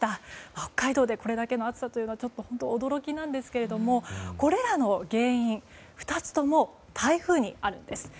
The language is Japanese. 北海道でこれだけの暑さというのは本当驚きですがこれらの原因は２つとも台風にあるんです。